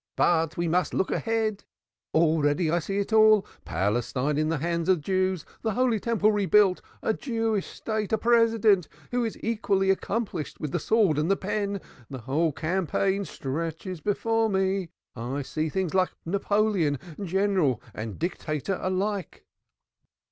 "But we must look ahead. Already I see it all. Palestine in the hands of the Jews the Holy Temple rebuilt, a Jewish state, a President who is equally accomplished with the sword and the pen, the whole campaign stretches before me. I see things like Napoleon, general and dictator alike."